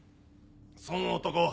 そん男